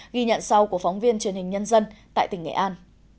ghi nhận sau của phóng viên truyền hình nhân dân tại tỉnh nghệ an